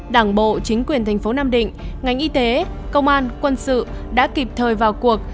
đảng bộ chính quyền tp nam định ngành y tế công an quân sự đã kịp thời vào cuộc